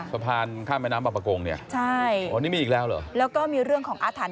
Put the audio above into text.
ประพานข้ามแม่น้ำปะโกงเนี่ยก็มีอีกแล้วหรอ